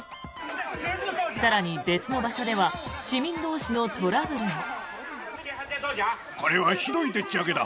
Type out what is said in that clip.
更に、別の場所では市民同士のトラブルも。